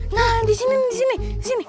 nah disini disini